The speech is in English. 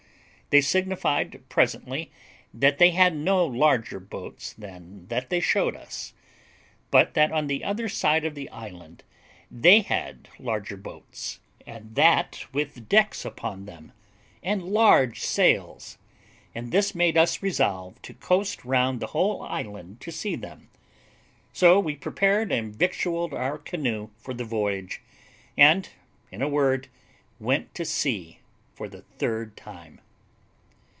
They signified presently that they had no larger boats than that they showed us; but that on the other side of the island they had larger boats, and that with decks upon them, and large sails; and this made us resolve to coast round the whole island to see them; so we prepared and victualled our canoe for the voyage, and, in a word, went to sea for the third time.